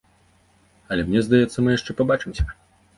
Але, мне здаецца, мы яшчэ пабачымся.